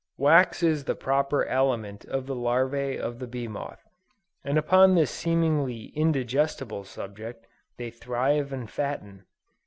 Wax is the proper aliment of the larvæ of the bee moth: and upon this seemingly indigestible substance, they thrive and fatten.